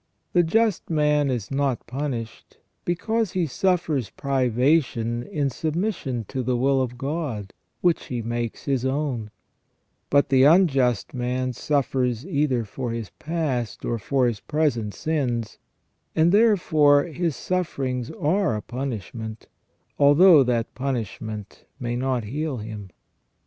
The just man is not punished because he suffers privation in sub mission to the will of God, which he makes his own ; but the unjust man suffers either for his past or for his present sins, and therefore his sufferings are a punishment, although that punish ment may not heal him.